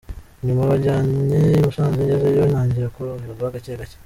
Nyuma banjyanye i Musanze ngezeyo ntangira koroherwa gake gake”.